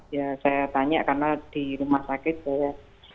ya saya tanya karena di rumah sakit saya